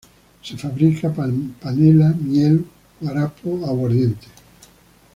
Se fabrica panela, miel, guarapo, aguardiente.